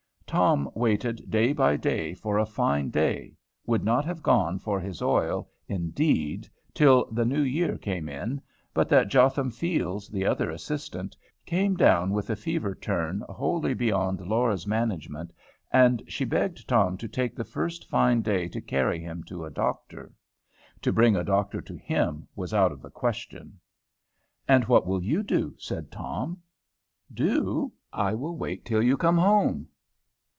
Tom waited day by day for a fine day, would not have gone for his oil indeed till the New Year came in, but that Jotham Fields, the other assistant, came down with a fever turn wholly beyond Laura's management, and she begged Tom to take the first fine day to carry him to a doctor. To bring a doctor to him was out of the question. "And what will you do?" said Tom. "Do? I will wait till you come home.